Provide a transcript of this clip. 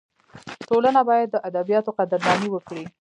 ټولنه باید د ادیبانو قدرداني وکړي.